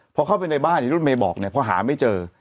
พอเข้าไปในบ้านที่รถเมย์บอกเนี่ยพอหาไม่เจอ